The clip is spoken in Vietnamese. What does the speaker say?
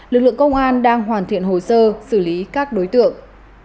lực lượng công an đang hoàn thiện hồ sơ xử lý các đối tượng